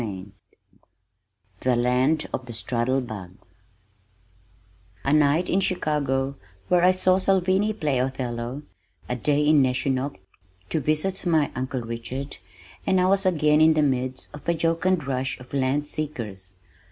CHAPTER XXV The Land of the Straddle Bug A night in Chicago (where I saw Salvini play Othello), a day in Neshonoc to visit my Uncle Richard, and I was again in the midst of a jocund rush of land seekers.